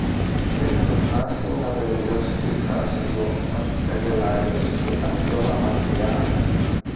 Πριν προφτάσει να τελειώσει τη φράση του, ο αρχικαγκελάριος ήταν κιόλα μακριά.